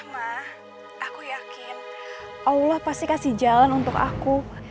mak aku yakin allah pasti kasih jalan untuk aku